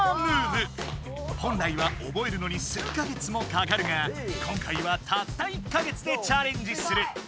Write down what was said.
本来はおぼえるのに数か月もかかるが今回はたった１か月でチャレンジする！